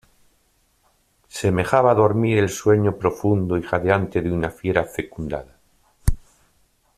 semejaba dormir el sueño profundo y jadeante de una fiera fecundada.